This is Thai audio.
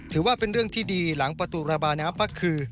ถือว่าเป็นเรื่องที่ดีหลังประตูระบายน้ำก็คือ